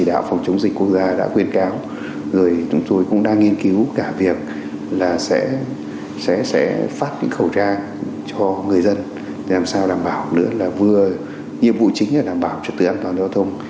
sẽ phát những khẩu trang cho người dân để làm sao đảm bảo nữa là vừa nhiệm vụ chính là đảm bảo cho tựa an toàn giao thông